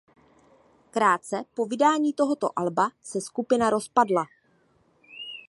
Krátce po vydání tohoto alba se skupina rozpadla.